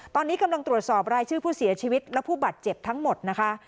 ตอนนี้กำลังตรวจสอบรายชื่อผู้เสียชีวิตและผู้บาดเจ็บทั้งหมดนะคะ